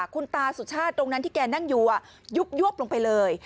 คุณตาสุชาติตรงนั้นที่แกนั่งอยู่ยุบยวบลงไปเลย